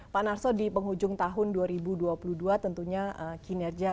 pak narso di penghujung tahun dua ribu dua puluh dua tentunya kinerja